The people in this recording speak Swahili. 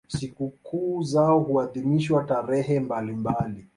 Sikukuu zao huadhimishwa tarehe mbalimbali.